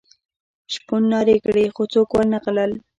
شپون نارې کړې خو څوک ور نه غلل.